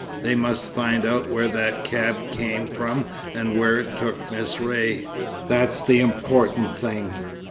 They must find out where that cab came from and where it took Miss Ray. That's the important thing."